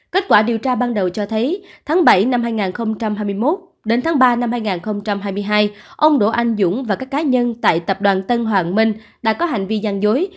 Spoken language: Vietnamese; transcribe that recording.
kết quả điều tra ban đầu cho thấy tháng bảy năm hai nghìn hai mươi một đến tháng ba năm hai nghìn hai mươi hai ông đỗ anh dũng và các cá nhân tại tập đoàn tân hoàng minh đã có hành vi gian dối